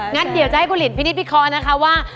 งั้นเดี๋ยวจะให้คุณลินพินิตพี่คอว่า